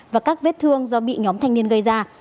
và các vết thương do bị nhóm thanh niên gây ra